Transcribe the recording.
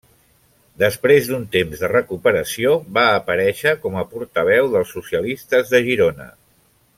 Després d'un temps de recuperació va aparèixer com a portaveu dels socialistes de Girona.